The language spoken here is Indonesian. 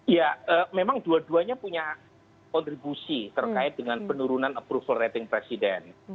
ya memang dua duanya punya kontribusi terkait dengan penurunan approval rating presiden